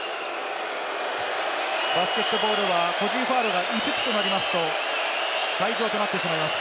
バスケットボールは個人ファウルが５つとなりますと、退場となってしまいます。